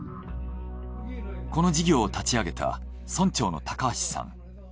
この事業を立ち上げた村長の橋さん。